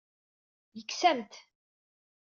Yekkes-am-t.